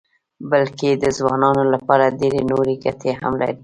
بلکې د ځوانانو لپاره ډېرې نورې ګټې هم لري.